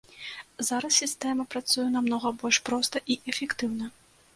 Зараз сістэма працуе намнога больш проста і эфектыўна.